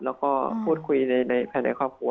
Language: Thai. แล้วก็คุยในแผนในครอบครัฐ